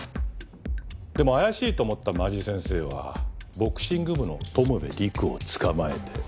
でも怪しいと思った間地先生はボクシング部の友部陸を捕まえて。